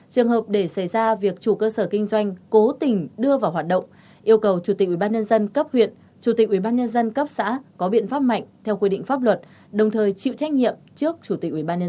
trường hợp để xảy ra việc chủ cơ sở kinh doanh cố tình đưa vào hoạt động yêu cầu chủ tịch ủy ban nhân dân cấp huyện chủ tịch ủy ban nhân dân cấp xã có biện pháp mạnh theo quy định pháp luật đồng thời chịu trách nhiệm trước chủ tịch ủy ban nhân dân tp